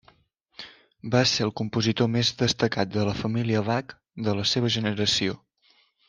Va ser el compositor més destacat de la família Bach de la seva generació.